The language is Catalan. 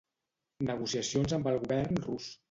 Negociacions amb el govern rus.